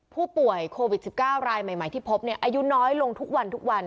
ผู้ป่วยโควิด๑๙รายใหม่ที่พบอายุน้อยลงทุกวันทุกวัน